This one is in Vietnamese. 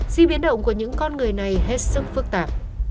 di biến động của những con người này hết sức phức tạp